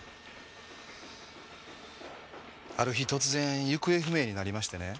ある日突然行方不明になりましてね。